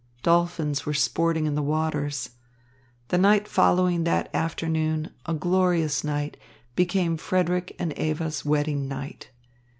Dolphins were sporting in the waters. The night following that afternoon, a glorious night, became Frederick's and Eva's wedding night.